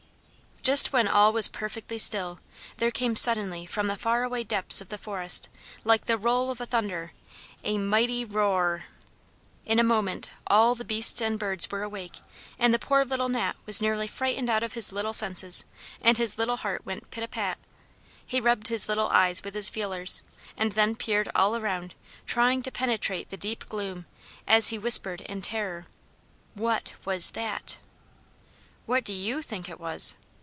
Just when all was perfectly still, there came suddenly from the far away depths of the forest, like the roll of thunder, a mighty ROAR R R R! In a moment all the beasts and birds were wide awake, and the poor little Gnat was nearly frightened out of his little senses, and his little heart went pit a pat. He rubbed his little eyes with his feelers, and then peered all around trying to penetrate the deep gloom as he whispered in terror "What was that?" What do you think it was?...